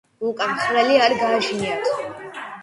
უკანა ხვრელი არ გააჩნიათ.